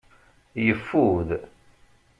Yeffud.